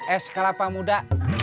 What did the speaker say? es kelapa muda